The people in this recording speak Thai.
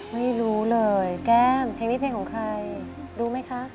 ไม่รู้เลยแก้มเพลงนี้เพลงของใครรู้ไหมคะ